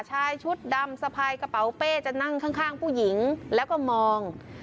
ชายชุดดำสะพายกระเป๋าเป้จะนั่งข้างผู้หญิงแล้วก็มอง